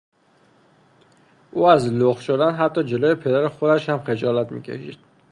او از لخت شدن حتی جلو پدر خودش هم خجالت می کشید.